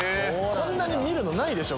こんなに見るのないでしょ。